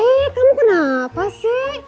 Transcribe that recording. eh kamu kenapa sih